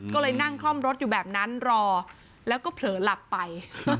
ก็เลยนั่งคล่อมรถอยู่แบบนั้นรอแล้วก็เผลอหลับไป